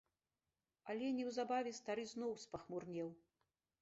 Але неўзабаве стары зноў спахмурнеў.